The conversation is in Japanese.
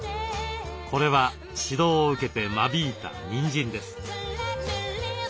これは指導を受けて間引いたニンジンです。